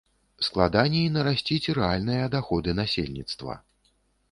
Складаней нарасціць рэальныя даходы насельніцтва.